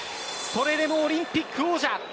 それでもオリンピック王者。